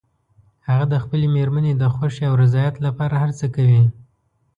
هغه د خپلې مېرمنې د خوښې او رضایت لپاره هر څه کوي